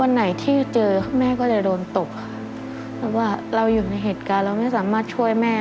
วันไหนที่เจอแม่ก็จะโดนตบค่ะเพราะว่าเราอยู่ในเหตุการณ์เราไม่สามารถช่วยแม่